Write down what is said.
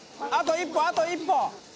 あと一歩あと一歩。